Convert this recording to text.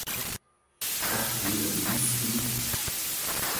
Carteira do inscrito